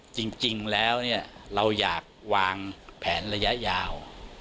จริงแล้วเนี่ยเราอยากวางแผนระยะยาว